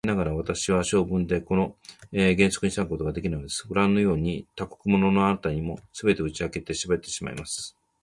残念ながら、私は性分でこの原則に従うことができないのです。ごらんのように、他国者のあなたにも、すべて打ち明けてしゃべってしまいます。